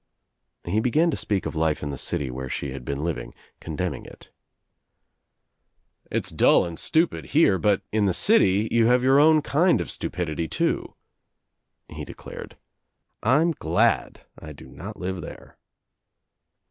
He began to speak of life in the city where she had [been living, condemning it. "It's dull and stupid here l88 THE TRIUMPH OF THE EGG but in the city you have your own kind of stupidity too," he declared. "I'm glad I do not live there."